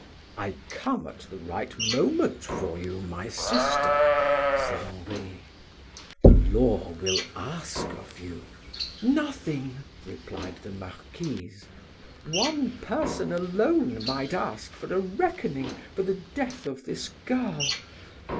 "I come at the right moment for you, my sister," said Henri. "The law will ask of you " "Nothing," replied the Marquise. "One person alone might ask for a reckoning for the death of this girl.